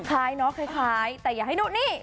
คล้ายเนาะคล้ายแต่อย่าให้นู่นนี่